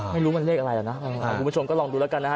๙๘๑๓ไม่รู้เลยเรียกละอะไรคุณผู้ชมก็ลองดูด้วยละกันนะฮะ